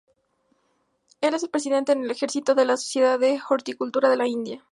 Él es presidente en ejercicio de la Sociedad de Horticultura de la India.